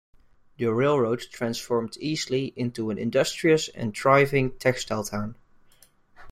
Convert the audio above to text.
The railroad transformed Easley into an industrious and thriving textile town.